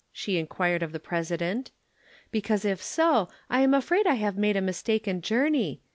she inquired of the President. "Because if so I am afraid I have made a mistaken journey.